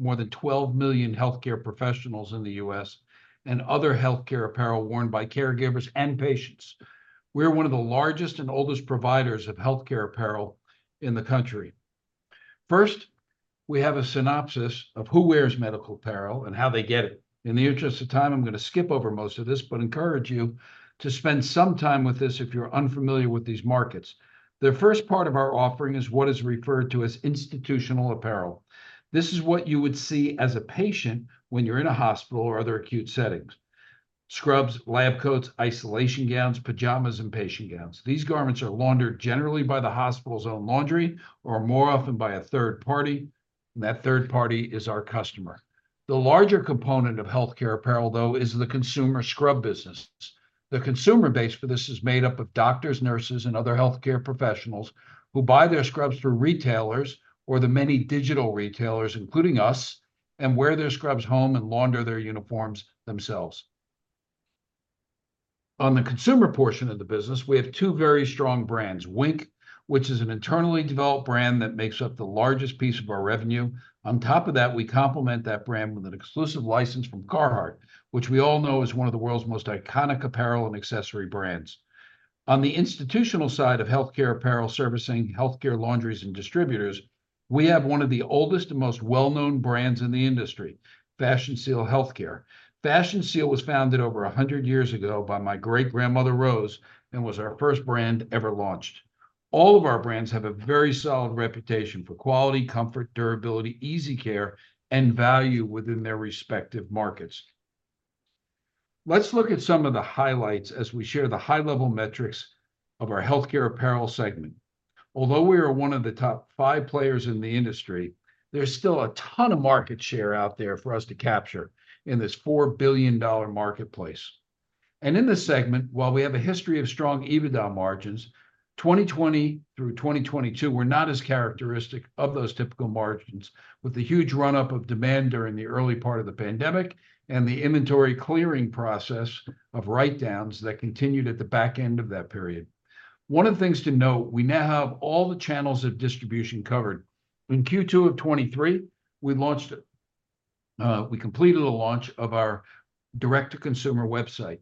More than 12 million healthcare professionals in the U.S., and other Healthcare Apparel worn by caregivers and patients. We're one of the largest and oldest providers of Healthcare Apparel in the country. First, we have a synopsis of who wears medical apparel and how they get it. In the interest of time, I'm gonna skip over most of this, but encourage you to spend some time with this if you're unfamiliar with these markets. The first part of our offering is what is referred to as institutional apparel. This is what you would see as a patient when you're in a hospital or other acute settings: scrubs, lab coats, isolation gowns, pajamas, and patient gowns. These garments are laundered generally by the hospital's own laundry or more often by a third party, and that third party is our customer. The larger component of Healthcare Apparel, though, is the consumer scrub business. The consumer base for this is made up of doctors, nurses, and other healthcare professionals who buy their scrubs through retailers or the many digital retailers, including us, and wear their scrubs home and launder their uniforms themselves. On the consumer portion of the business, we have two very strong brands: Wink, which is an internally developed brand that makes up the largest piece of our revenue. On top of that, we complement that brand with an exclusive license from Carhartt, which we all know is one of the world's most iconic apparel and accessory brands. On the institutional side of Healthcare Apparel, servicing healthcare laundries and distributors, we have one of the oldest and most well-known brands in the industry, Fashion Seal Healthcare. Fashion Seal was founded over a hundred years ago by my great-grandmother, Rose, and was our first brand ever launched. All of our brands have a very solid reputation for quality, comfort, durability, easy care, and value within their respective markets. Let's look at some of the highlights as we share the high-level metrics of our Healthcare Apparel segment. Although we are one of the top five players in the industry, there's still a ton of market share out there for us to capture in this $4 billion marketplace. And in this segment, while we have a history of strong EBITDA margins, 2020 through 2022 were not as characteristic of those typical margins, with the huge run-up of demand during the early part of the pandemic and the inventory clearing process of write-downs that continued at the back end of that period. One of the things to note, we now have all the channels of distribution covered. In Q2 of 2023, we launched. We completed a launch of our direct-to-consumer website.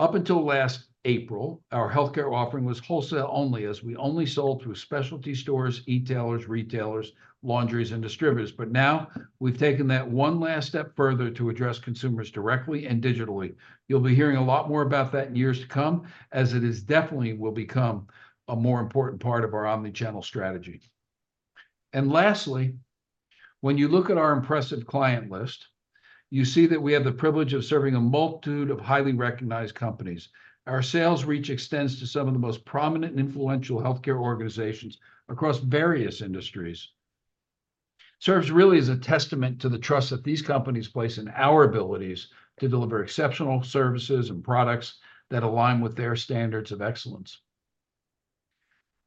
Up until last April, our healthcare offering was wholesale only, as we only sold through specialty stores, e-tailers, retailers, laundries, and distributors. But now, we've taken that one last step further to address consumers directly and digitally. You'll be hearing a lot more about that in years to come, as it is, definitely will become a more important part of our omnichannel strategy. And lastly, when you look at our impressive client list, you see that we have the privilege of serving a multitude of highly recognized companies. Our sales reach extends to some of the most prominent and influential healthcare organizations across various industries. Serves really as a testament to the trust that these companies place in our abilities to deliver exceptional services and products that align with their standards of excellence.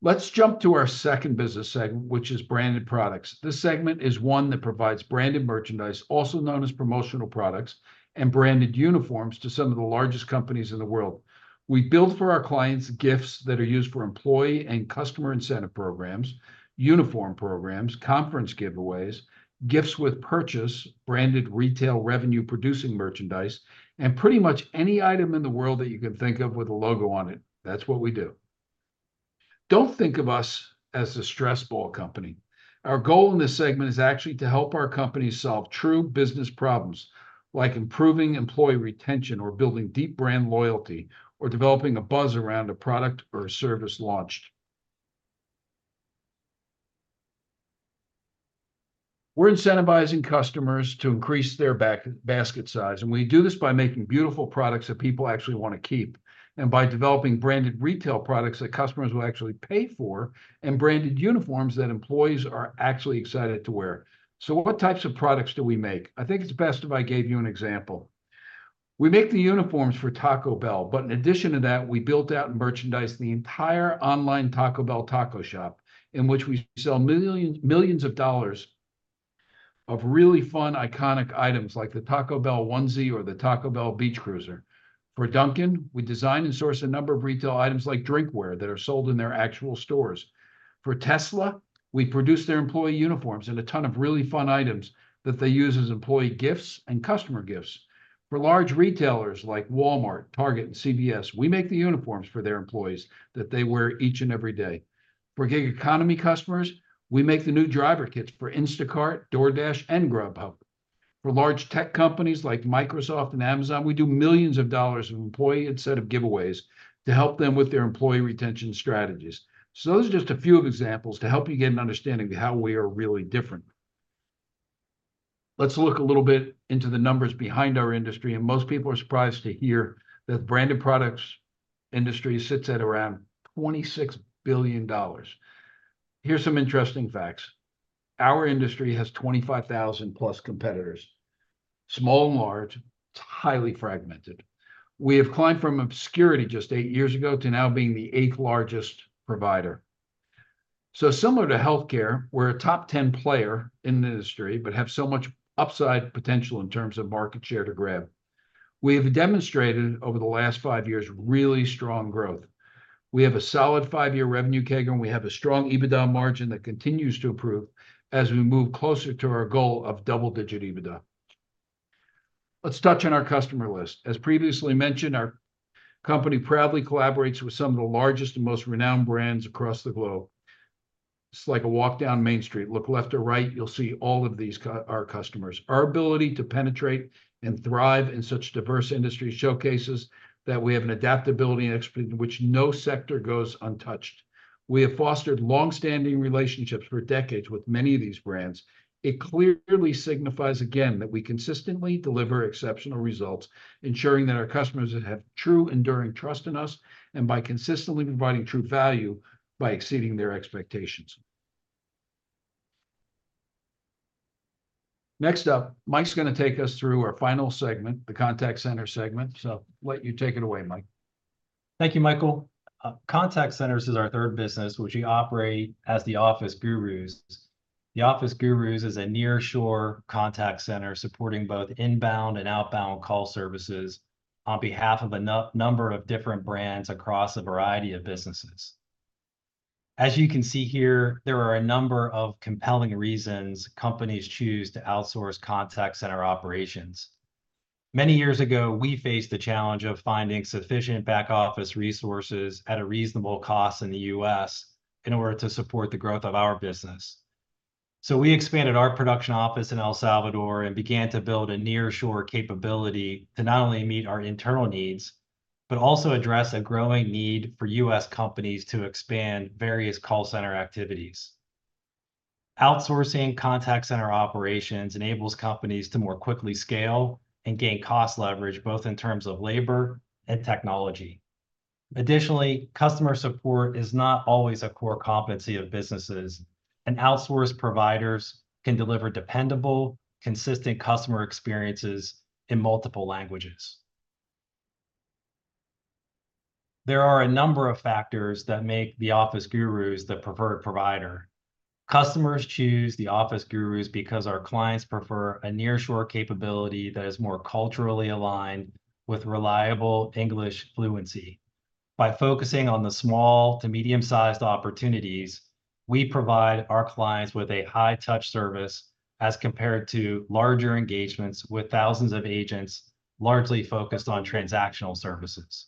Let's jump to our second business segment, which is Branded Products. This segment is one that provides branded merchandise, also known as promotional products, and branded uniforms to some of the largest companies in the world. We build for our clients gifts that are used for employee and customer incentive programs, uniform programs, conference giveaways, gifts with purchase, branded retail revenue-producing merchandise, and pretty much any item in the world that you can think of with a logo on it. That's what we do. Don't think of us as a stress ball company. Our goal in this segment is actually to help our companies solve true business problems, like improving employee retention, or building deep brand loyalty, or developing a buzz around a product or a service launched. We're incentivizing customers to increase their basket size, and we do this by making beautiful products that people actually wanna keep, and by developing branded retail products that customers will actually pay for, and branded uniforms that employees are actually excited to wear. So what types of products do we make? I think it's best if I gave you an example. We make the uniforms for Taco Bell, but in addition to that, we built out and merchandised the entire online Taco Bell Taco Shop, in which we sell millions of dollars of really fun, iconic items, like the Taco Bell onesie or the Taco Bell Beach Cruiser. For Dunkin', we design and source a number of retail items, like drinkware, that are sold in their actual stores. For Tesla, we produce their employee uniforms and a ton of really fun items that they use as employee gifts and customer gifts. For large retailers like Walmart, Target, and CVS, we make the uniforms for their employees that they wear each and every day. For gig economy customers, we make the new driver kits for Instacart, DoorDash, and Grubhub. For large tech companies like Microsoft and Amazon, we do $ millions of employee incentive giveaways to help them with their employee retention strategies. So those are just a few of examples to help you get an understanding of how we are really different. Let's look a little bit into the numbers behind our industry, and most people are surprised to hear that the Branded Products industry sits at around $26 billion. Here's some interesting facts. Our industry has 25,000+ competitors, small and large. It's highly fragmented. We have climbed from obscurity just eight years ago to now being the 8th largest provider. So similar to healthcare, we're a top 10 player in the industry but have so much upside potential in terms of market share to grab. We have demonstrated over the last five years, really strong growth. We have a solid five-year revenue CAGR, and we have a strong EBITDA margin that continues to improve as we move closer to our goal of double-digit EBITDA. Let's touch on our customer list. As previously mentioned, our company proudly collaborates with some of the largest and most renowned brands across the globe. It's like a walk down Main Street. Look left or right, you'll see all of these our customers. Our ability to penetrate and thrive in such diverse industries showcases that we have an adaptability and expertise in which no sector goes untouched. We have fostered long-standing relationships for decades with many of these brands. It clearly signifies, again, that we consistently deliver exceptional results, ensuring that our customers have true enduring trust in us, and by consistently providing true value by exceeding their expectations. Next up, Mike's gonna take us through our final segment, the Contact Center segment. So I'll let you take it away, Mike. Thank you, Michael. Contact centers is our third business, which we operate as The Office Gurus. The Office Gurus is a nearshore Contact Center supporting both inbound and outbound call services on behalf of a number of different brands across a variety of businesses. As you can see here, there are a number of compelling reasons companies choose to outsource Contact Center operations. Many years ago, we faced the challenge of finding sufficient back office resources at a reasonable cost in the U.S. in order to support the growth of our business. So we expanded our production office in El Salvador and began to build a nearshore capability to not only meet our internal needs, but also address a growing need for U.S. companies to expand various call center activities. Outsourcing Contact Center operations enables companies to more quickly scale and gain cost leverage, both in terms of labor and technology. Additionally, customer support is not always a core competency of businesses, and outsource providers can deliver dependable, consistent customer experiences in multiple languages. There are a number of factors that make The Office Gurus the preferred provider. Customers choose The Office Gurus because our clients prefer a nearshore capability that is more culturally aligned with reliable English fluency. By focusing on the small to medium-sized opportunities, we provide our clients with a high-touch service as compared to larger engagements with thousands of agents, largely focused on transactional services.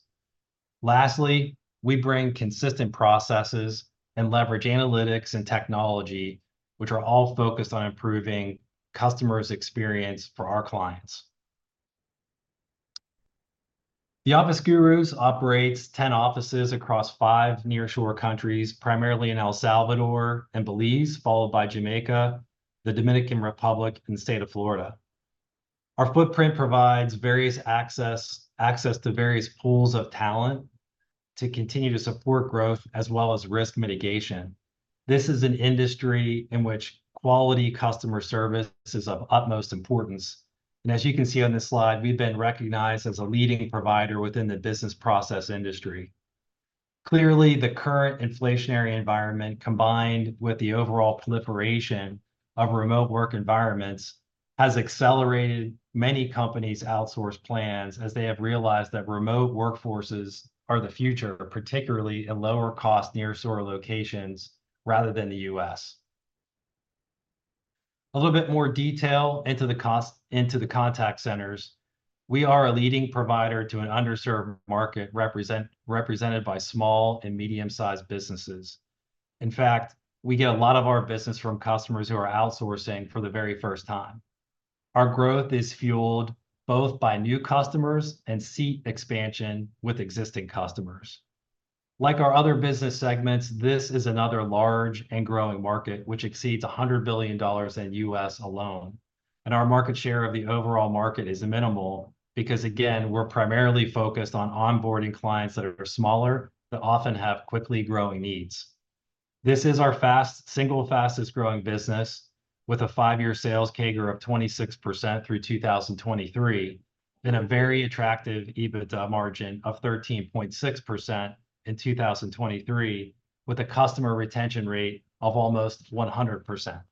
Lastly, we bring consistent processes and leverage analytics and technology, which are all focused on improving customers' experience for our clients. The Office Gurus operates 10 offices across five nearshore countries, primarily in El Salvador and Belize, followed by Jamaica, the Dominican Republic, and the state of Florida. Our footprint provides various access to various pools of talent to continue to support growth as well as risk mitigation. This is an industry in which quality customer service is of utmost importance, and as you can see on this slide, we've been recognized as a leading provider within the business process industry. Clearly, the current inflationary environment, combined with the overall proliferation of remote work environments, has accelerated many companies' outsource plans, as they have realized that remote workforces are the future, particularly in lower-cost nearshore locations rather than the U.S. A little bit more detail into the cost, into the Contact Centers. We are a leading provider to an underserved market, represented by small and medium-sized businesses. In fact, we get a lot of our business from customers who are outsourcing for the very first time. Our growth is fueled both by new customers and seat expansion with existing customers. Like our other business segments, this is another large and growing market, which exceeds $100 billion in the U.S. alone. Our market share of the overall market is minimal, because again, we're primarily focused on onboarding clients that are smaller, that often have quickly growing needs. This is our fastest growing business, with a five-year sales CAGR of 26% through 2023, and a very attractive EBITDA margin of 13.6% in 2023, with a customer retention rate of almost 100%.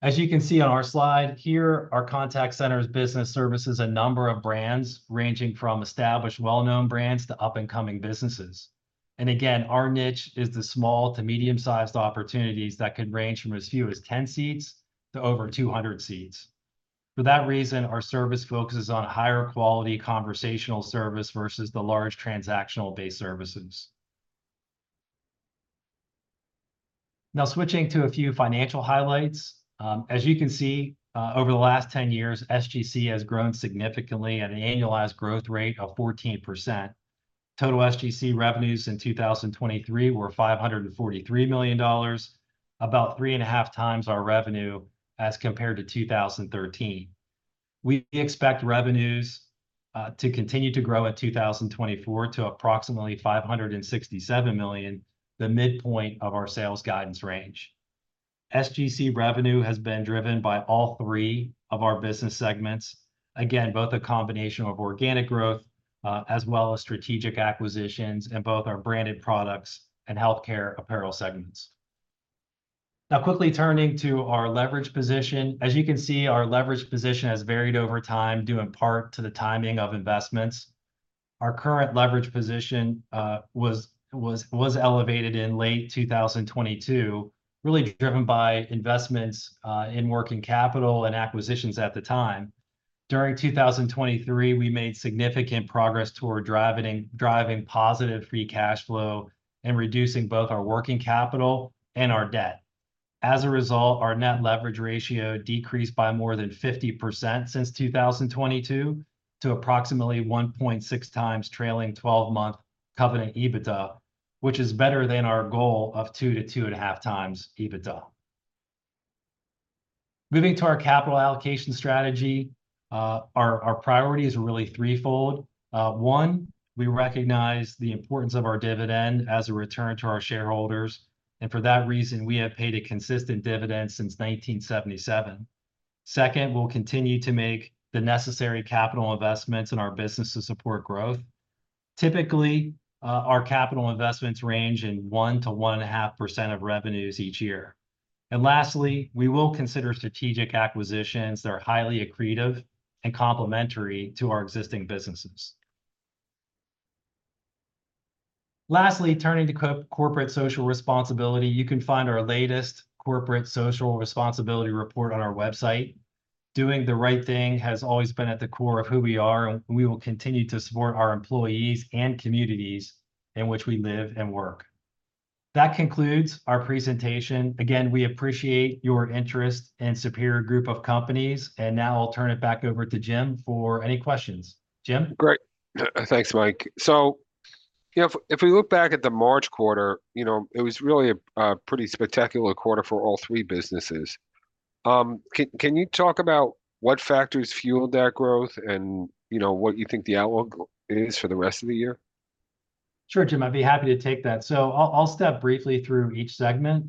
As you can see on our slide here, our Contact Centers business services a number of brands, ranging from established, well-known brands to up-and-coming businesses. And again, our niche is the small to medium-sized opportunities that could range from as few as 10 seats to over 200 seats. For that reason, our service focuses on higher quality conversational service versus the large transactional-based services. Now, switching to a few financial highlights. As you can see, over the last 10 years, SGC has grown significantly at an annualized growth rate of 14%. Total SGC revenues in 2023 were $543 million, about 3.5x our revenue as compared to 2013. We expect revenues to continue to grow in 2024 to approximately $567 million, the midpoint of our sales guidance range. SGC revenue has been driven by all three of our business segments. Again, both a combination of organic growth as well as strategic acquisitions in both our Branded Products and Healthcare Apparel segments. Now, quickly turning to our leverage position. As you can see, our leverage position has varied over time, due in part to the timing of investments. Our current leverage position was elevated in late 2022, really driven by investments in working capital and acquisitions at the time. During 2023, we made significant progress toward driving positive free cash flow and reducing both our working capital and our debt. As a result, our net leverage ratio decreased by more than 50% since 2022, to approximately 1.6x trailing 12-month covenant EBITDA, which is better than our goal of 2x-2.5x EBITDA. Moving to our capital allocation strategy, our priorities are really threefold. One, we recognize the importance of our dividend as a return to our shareholders, and for that reason, we have paid a consistent dividend since 1977. Second, we'll continue to make the necessary capital investments in our business to support growth. Typically, our capital investments range in 1%-1.5% of revenues each year. And lastly, we will consider strategic acquisitions that are highly accretive and complementary to our existing businesses. Lastly, turning to corporate social responsibility, you can find our latest corporate social responsibility report on our website. Doing the right thing has always been at the core of who we are, and we will continue to support our employees and communities in which we live and work. That concludes our presentation. Again, we appreciate your interest in Superior Group of Companies, and now I'll turn it back over to Jim for any questions. Jim? Great. Thanks, Mike. So, you know, if we look back at the March quarter, you know, it was really a pretty spectacular quarter for all three businesses. Can you talk about what factors fueled that growth and, you know, what you think the outlook is for the rest of the year? Sure, Jim, I'd be happy to take that. So I'll step briefly through each segment.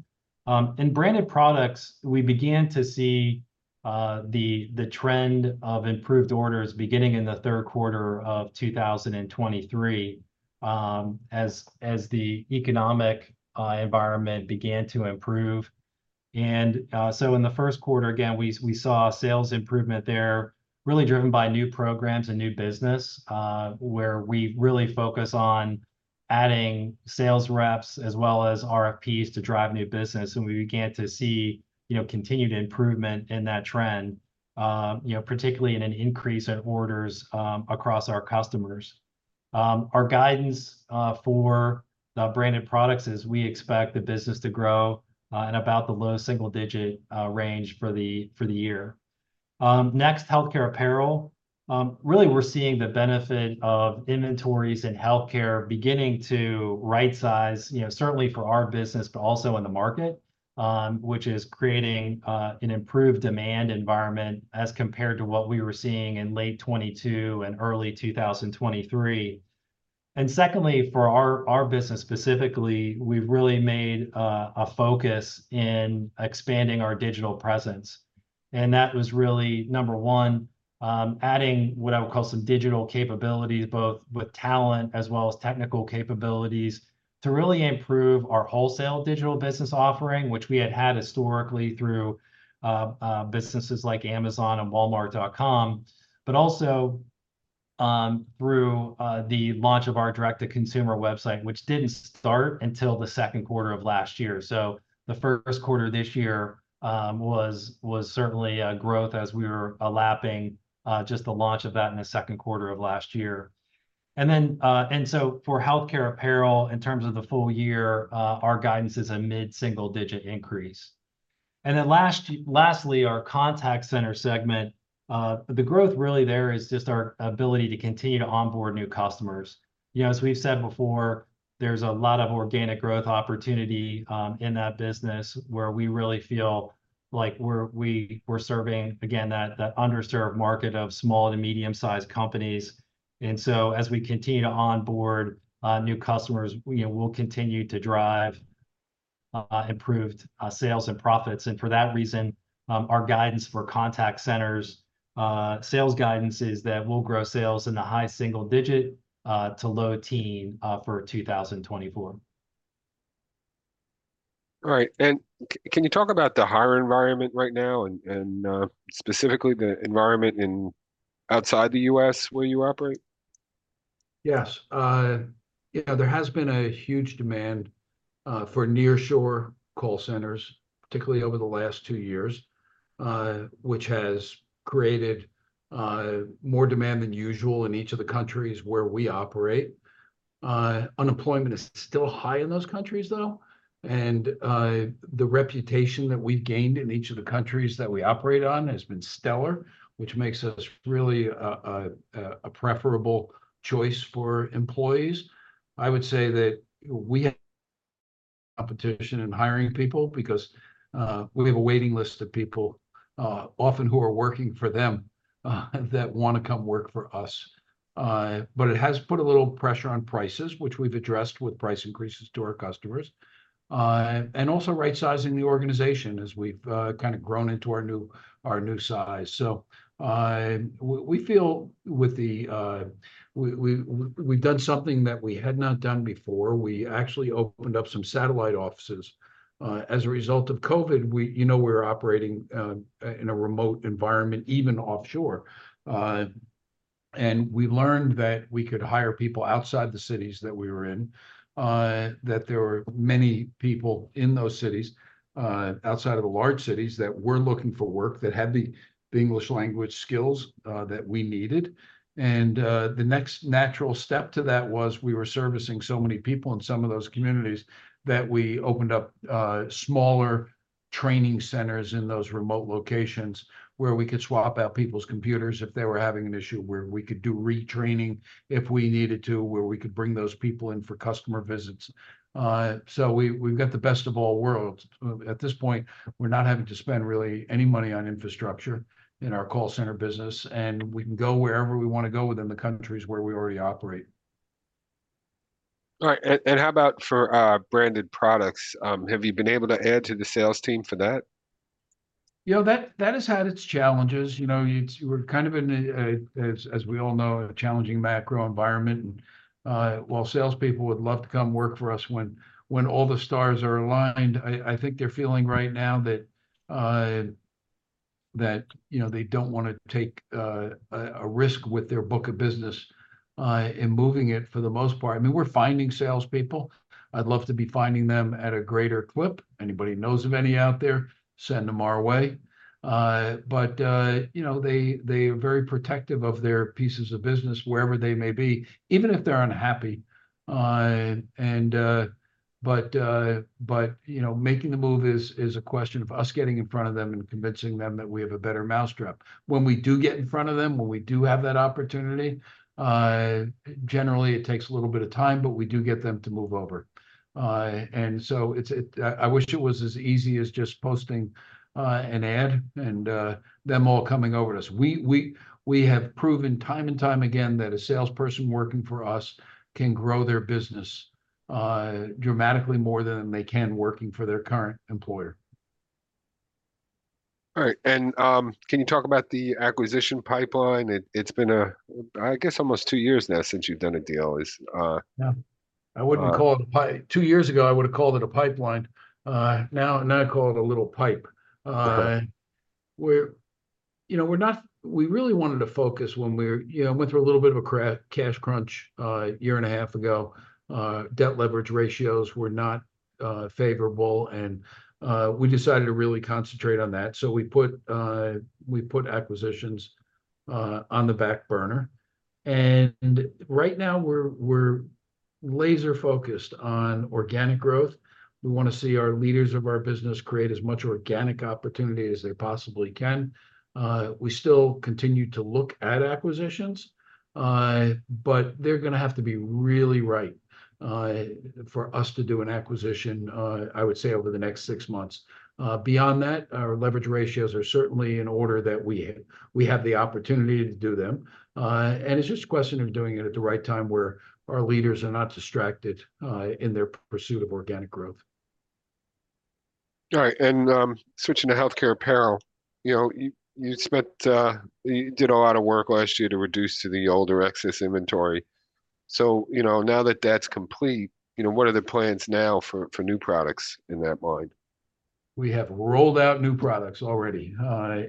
In Branded Products, we began to see the trend of improved orders beginning in the Q3 of 2023, as the economic environment began to improve. So in the Q1, again, we saw sales improvement there, really driven by new programs and new business, where we really focus on adding sales reps as well as RFPs to drive new business. And we began to see, you know, continued improvement in that trend, you know, particularly in an increase in orders across our customers. Our guidance for the Branded Products is we expect the business to grow in about the low single-digit range for the year. Next, Healthcare Apparel. Really, we're seeing the benefit of inventories in Healthcare beginning to rightsize, you know, certainly for our business, but also in the market, which is creating an improved demand environment as compared to what we were seeing in late 2022 and early 2023. And secondly, for our business specifically, we've really made a focus in expanding our digital presence. And that was really, number one, adding what I would call some digital capabilities, both with talent as well as technical capabilities, to really improve our wholesale digital business offering, which we had had historically through businesses like Amazon and Walmart.com, but also through the launch of our direct-to-consumer website, which didn't start until the Q2 of last year. So the Q1 this year was certainly growth as we were lapping just the launch of that in the Q2 of last year. And so for Healthcare Apparel, in terms of the full year, our guidance is a mid-single-digit increase. And then lastly, our Contact Center segment. The growth really there is just our ability to continue to onboard new customers. You know, as we've said before, there's a lot of organic growth opportunity in that business, where we really feel like we're serving, again, that underserved market of small to medium-sized companies. And so as we continue to onboard new customers, we, you know, we'll continue to drive improved sales and profits. For that reason, our guidance for Contact Centers, sales guidance is that we'll grow sales in the high single-digit to low-teen for 2024. Right. And can you talk about the hiring environment right now and, and, specifically the environment outside the U.S. where you operate? Yes. Yeah, there has been a huge demand for nearshore call centers, particularly over the last two years, which has created more demand than usual in each of the countries where we operate. Unemployment is still high in those countries, though, and the reputation that we've gained in each of the countries that we operate on has been stellar, which makes us really a preferable choice for employees. I would say that we have competition in hiring people because we have a waiting list of people often who are working for them that wanna come work for us, but it has put a little pressure on prices, which we've addressed with price increases to our customers. And also right-sizing the organization as we've kind of grown into our new size. We've done something that we had not done before. We actually opened up some satellite offices as a result of COVID. We, you know, we're operating in a remote environment, even offshore. And we learned that we could hire people outside the cities that we were in, that there were many people in those cities, outside of the large cities, that were looking for work, that had the English language skills that we needed. The next natural step to that was we were servicing so many people in some of those communities, that we opened up smaller training centers in those remote locations, where we could swap out people's computers if they were having an issue, where we could do retraining if we needed to, where we could bring those people in for customer visits. So we, we've got the best of all worlds. At this point, we're not having to spend really any money on infrastructure in our call center business, and we can go wherever we want to go within the countries where we already operate. All right, and, and how about for our Branded Products? Have you been able to add to the sales team for that? You know, that has had its challenges. You know, it's, we're kind of in a, as we all know, a challenging macro environment. While salespeople would love to come work for us when all the stars are aligned, I think they're feeling right now that, you know, they don't want to take a risk with their book of business in moving it, for the most part. I mean, we're finding salespeople. I'd love to be finding them at a greater clip. Anybody who knows of any out there, send them our way. But, you know, they are very protective of their pieces of business, wherever they may be, even if they're unhappy. And, but, you know, making the move is a question of us getting in front of them and convincing them that we have a better mousetrap. When we do get in front of them, when we do have that opportunity, generally it takes a little bit of time, but we do get them to move over. And so it's. I wish it was as easy as just posting an ad and them all coming over to us. We have proven time and time again that a salesperson working for us can grow their business dramatically more than they can working for their current employer. All right, and, can you talk about the acquisition pipeline? It's been, I guess, almost two years now since you've done a deal. Is- Yeah. I wouldn't call it a pipe. Two years ago, I would've called it a pipeline. Now, now I'd call it a little pipe. Okay. You know, we're not, we really wanted to focus when we were, you know, went through a little bit of a cash crunch a year and a half ago. Debt leverage ratios were not favorable, and we decided to really concentrate on that. So we put acquisitions on the back burner. Right now we're laser-focused on organic growth. We wanna see our leaders of our business create as much organic opportunity as they possibly can. We still continue to look at acquisitions, but they're gonna have to be really right for us to do an acquisition, I would say over the next six months. Beyond that, our leverage ratios are certainly in order that we have the opportunity to do them. It's just a question of doing it at the right time, where our leaders are not distracted in their pursuit of organic growth. All right, and switching to Healthcare Apparel, you know, you spent. You did a lot of work last year to reduce the older excess inventory. So, you know, now that that's complete, you know, what are the plans now for new products in that line? We have rolled out new products already.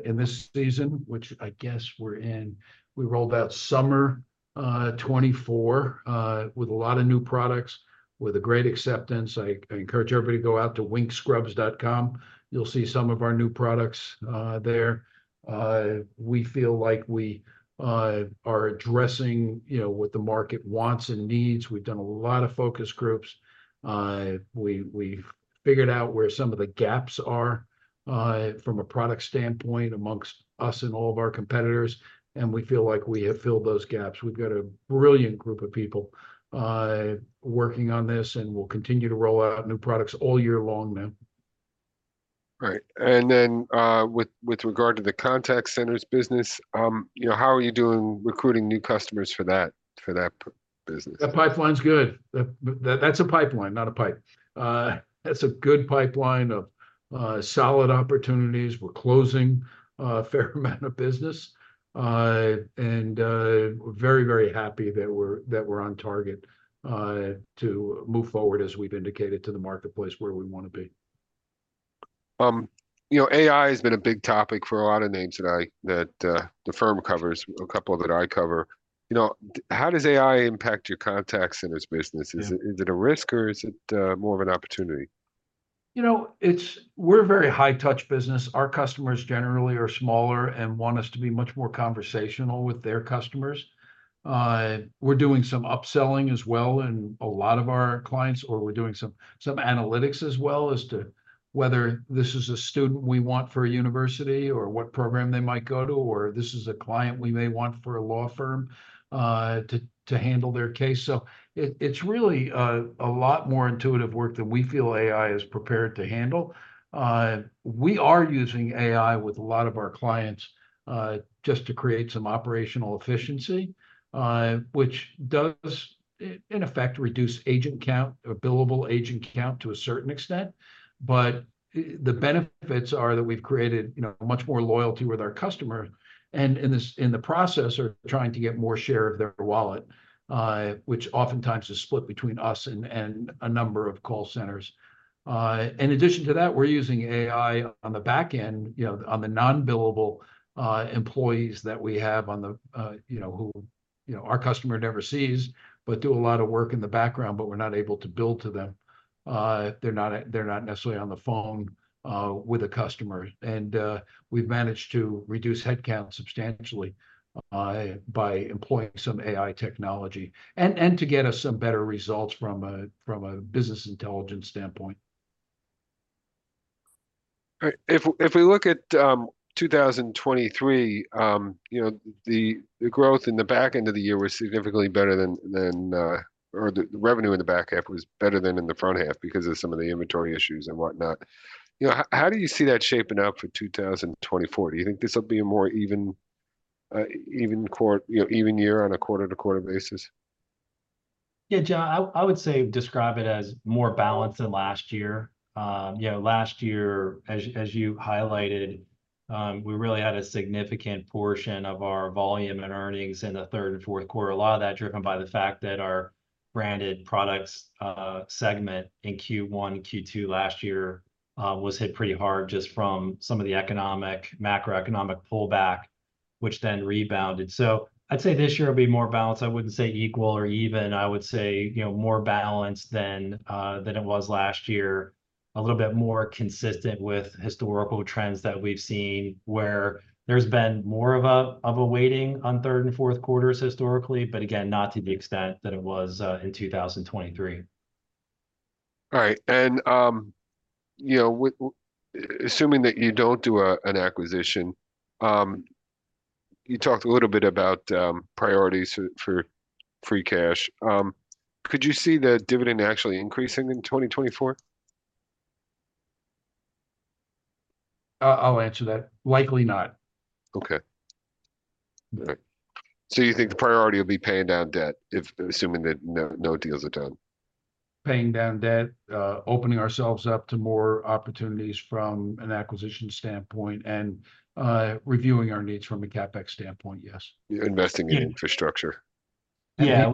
In this season, which I guess we're in, we rolled out Summer 2024 with a lot of new products, with a great acceptance. I encourage everybody to go out to winkscrubs.com. You'll see some of our new products there. We feel like we are addressing, you know, what the market wants and needs. We've done a lot of focus groups. We've figured out where some of the gaps are from a product standpoint amongst us and all of our competitors, and we feel like we have filled those gaps. We've got a brilliant group of people working on this, and we'll continue to roll out new products all year long now. Right. And then, with regard to the Contact Centers business, you know, how are you doing recruiting new customers for that business? The pipeline's good. That's a pipeline, not a pipe. That's a good pipeline of solid opportunities. We're closing a fair amount of business, and we're very, very happy that we're on target to move forward, as we've indicated, to the marketplace where we wanna be. You know, AI has been a big topic for a lot of names that I, that, the firm covers, a couple that I cover. You know, how does AI impact your Contact Centers business? Is it, is it a risk or is it more of an opportunity? You know, it's. We're a very high-touch business. Our customers generally are smaller and want us to be much more conversational with their customers. We're doing some upselling as well in a lot of our clients, or we're doing some analytics as well as to whether this is a student we want for a university, or what program they might go to, or this is a client we may want for a law firm, to handle their case. So it's really a lot more intuitive work that we feel AI is prepared to handle. We are using AI with a lot of our clients, just to create some operational efficiency, which does in effect reduce agent count, or billable agent count to a certain extent. But, the benefits are that we've created, you know, much more loyalty with our customer, and in this, in the process, are trying to get more share of their wallet, which oftentimes is split between us and a number of call centers. In addition to that, we're using AI on the back end, you know, on the non-billable employees that we have on the, you know, who, you know, our customer never sees, but do a lot of work in the background, but we're not able to bill to them. They're not necessarily on the phone with a customer. And, we've managed to reduce headcount substantially by employing some AI technology, and to get us some better results from a business intelligence standpoint. All right, if we look at 2023, you know, the growth in the back end of the year was significantly better than or the revenue in the back half was better than in the front half because of some of the inventory issues and whatnot. You know, how do you see that shaping up for 2024? Do you think this will be a more even, you know, even year on a quarter-to-quarter basis? Yeah, John, I would say describe it as more balanced than last year. You know, last year, as you highlighted, we really had a significant portion of our volume and earnings in the third and Q4. A lot of that driven by the fact that our Branded Products segment in Q1, Q2 last year was hit pretty hard just from some of the economic, macroeconomic pullback, which then rebounded. So I'd say this year will be more balanced. I wouldn't say equal or even. I would say, you know, more balanced than than it was last year. A little bit more consistent with historical trends that we've seen, where there's been more of a waiting on third and Q4s historically, but again, not to the extent that it was in 2023. All right, and you know, assuming that you don't do an acquisition, you talked a little bit about priorities for free cash. Could you see the dividend actually increasing in 2024? I'll answer that. Likely not. Okay. All right. So you think the priority will be paying down debt, if assuming that no, no deals are done? Paying down debt, opening ourselves up to more opportunities from an acquisition standpoint, and reviewing our needs from a CapEx standpoint, yes. You're investing in infrastructure. Yeah. Yeah.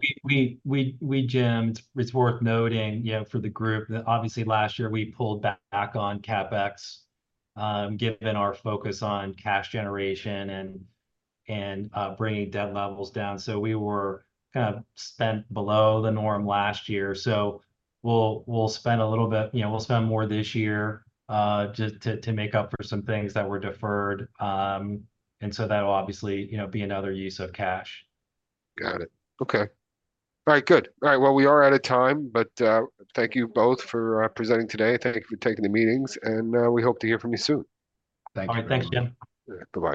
Jim, it's worth noting, you know, for the group, that obviously last year we pulled back on CapEx, given our focus on cash generation and bringing debt levels down. So we were kind of spent below the norm last year. So we'll spend a little bit, you know, we'll spend more this year, just to make up for some things that were deferred. And so that will obviously, you know, be another use of cash. Got it. Okay. All right, good. All right, well, we are out of time, but thank you both for presenting today. Thank you for taking the meetings, and we hope to hear from you soon. Thank you. All right. Thanks, Jim. Yeah. Bye-bye.